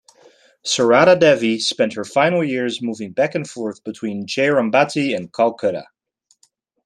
Sarada Devi spent her final years moving back and forth between Jayrambati and Calcutta.